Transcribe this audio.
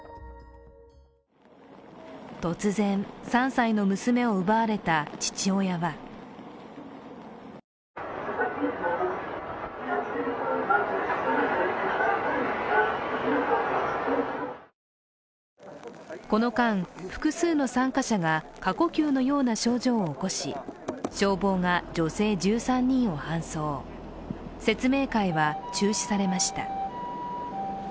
突然、３歳の娘を奪われた父親はこの間、複数の参加者が過呼吸のような症状を起こし消防が女性１３人を搬送、説明会は中止されました。